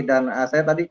dan saya tadi disampaikan